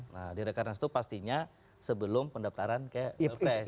nah di rekaran itu pastinya sebelum pendaftaran ke lps